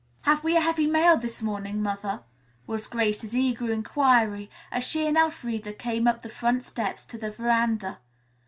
"Have we a heavy mail this morning, Mother?" was Grace's eager inquiry as she and Elfreda came up the front steps to the veranda.